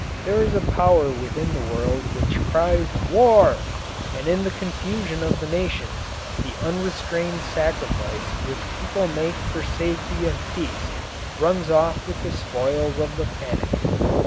There is a power within the world which cries "War!" and in the confusion of the nations, the unrestrained sacrifice which people make for safety and peace runs off with the spoils of the panic.